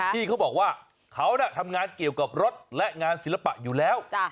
ที่เขาบอกว่าเขาทำงานเกี่ยวกับรถและงานศิลปะอยู่แล้ว